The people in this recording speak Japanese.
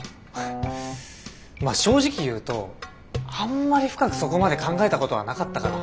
まあ正直言うとあんまり深くそこまで考えたことはなかったかな。